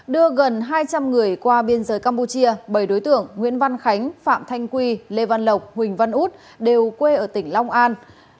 đưa gần hai trăm linh người qua biên giới campuchia bảy đối tượng nguyễn văn khánh phạm thanh quy lê văn lộc huỳnh văn út đều quê ở tỉnh long an